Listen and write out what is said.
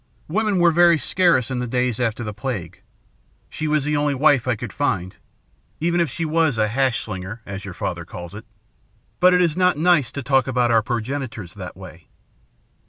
Women were very scarce in the days after the Plague. She was the only wife I could find, even if she was a hash slinger, as your father calls it. But it is not nice to talk about our progenitors that way."